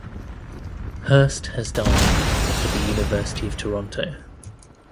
Hirst has dived for the University of Toronto.